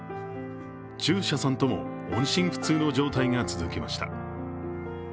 中車さんとも音信不通の状態が続きました。